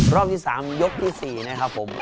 รอบที่๓ยกที่๔นะครับผม